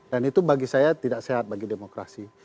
dan itu bagi saya tidak sehat bagi demokrasi